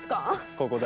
ここだ。